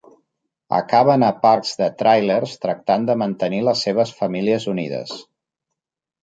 Acaben a parcs de tràilers tractant de mantenir les seves famílies unides.